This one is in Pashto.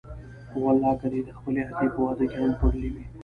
په والله که دې د خپلې ادې په واده کې هم خوړلي وي.